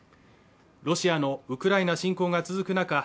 ロシアのウクライナ侵攻が続く中